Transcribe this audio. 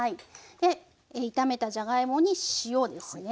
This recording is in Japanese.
で炒めたじゃがいもに塩ですね。